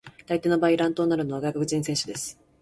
大抵の場合、乱闘になるのは外国人選手です。